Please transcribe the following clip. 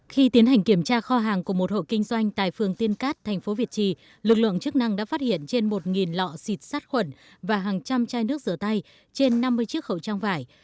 khi tiến hành kiểm tra kho hàng của một hộ kinh doanh tại phường tiên cát tp việt trì lực lượng chức năng đã phát hiện trên một lọ xịt sát khuẩn và hàng trăm chai nước rửa tay trên năm mươi chiếc khẩu trang vải